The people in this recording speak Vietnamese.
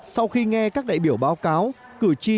sau khi nghe các đại biểu báo cáo cử tri đã phát biểu đánh giá cao